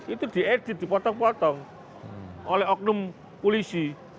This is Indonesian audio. itu diedit dipotong potong oleh oknum polisi